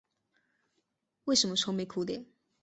为什么愁眉苦脸？